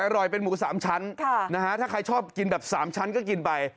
อร่อยเป็นหมู๓ชั้นถ้าใครชอบกินแบบ๓ชั้นก็กินไป